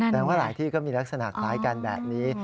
ว่าหลายที่ก็มีลักษณะคล้ายกันแบบนี้